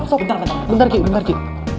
bentar bentar bentar bentar bentar ki